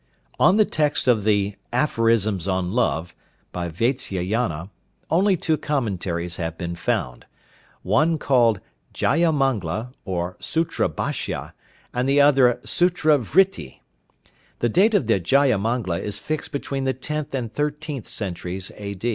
On the text of the 'Aphorisms on Love,' by Vatsyayana, only two commentaries have been found. One called 'Jayamangla' or 'Sutrabashya,' and the other 'Sutra vritti.' The date of the 'Jayamangla' is fixed between the tenth and thirteenth centuries A.